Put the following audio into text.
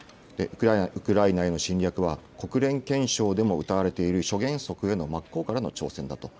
ウクライナへの侵略は、国連憲章でもうたわれている諸原則への真っ向からの挑戦だと。